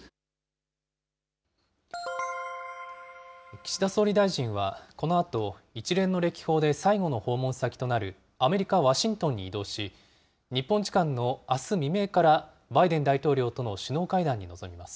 岸田総理大臣は、このあと、一連の歴訪で最後の訪問先となるアメリカ・ワシントンに移動し、日本時間のあす未明からバイデン大統領との首脳会談に臨みます。